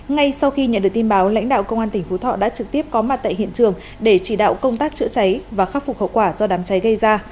ngay sau khi nhận được tin báo lãnh đạo công an tỉnh phú thọ đã trực tiếp có mặt tại hiện trường để chỉ đạo công tác chữa cháy và khắc phục hậu quả do đám cháy gây ra